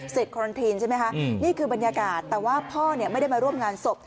คอรันทีนใช่ไหมคะนี่คือบรรยากาศแต่ว่าพ่อไม่ได้มาร่วมงานศพ